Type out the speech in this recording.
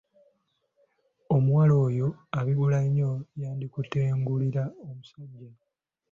Omuwala oyo abigula nnyo yandikutengulira omusajja.